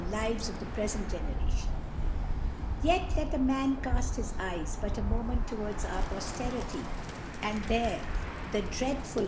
Lives 'of the prefent Gcperajion ; .yet ht a M^an q^A his Eyes but a IS^om^t toWar4s our Posterity, apd there the <JrfadfMl.